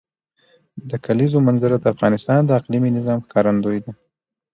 د کلیزو منظره د افغانستان د اقلیمي نظام ښکارندوی ده.